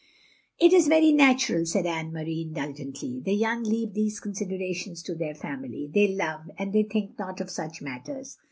"It is very natural," said Anne Marie, indul gently. "The yoting leave these considerations to their family. They love, and they think not of such matters.